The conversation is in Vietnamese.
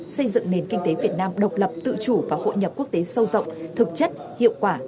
xây dựng nền kinh tế việt nam độc lập tự chủ và hội nhập quốc tế sâu rộng thực chất hiệu quả